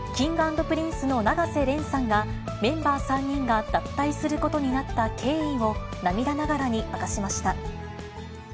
Ｋｉｎｇ＆Ｐｒｉｎｃｅの永瀬廉さんが、メンバー３人が脱退することになった経緯を、涙ながらに明かしました。